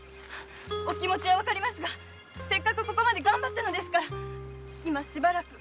お気持はわかりますがせっかくここまで頑張ったのですから今しばらくね。